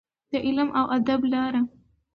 د علم او ادب لاره.